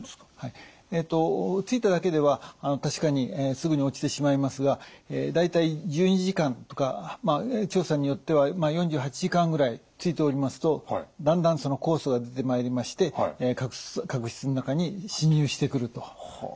ついただけでは確かにすぐに落ちてしまいますが大体１２時間とか調査によっては４８時間ぐらいついておりますとだんだん酵素が出てまいりまして角質の中に侵入してくると。